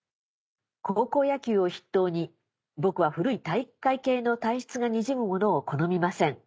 高校野球を筆頭に僕は古い体育会系の体質がにじむものを好みません。